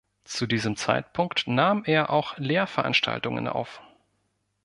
Zu diesem Zeitpunkt nahm er auch Lehrveranstaltungen auf.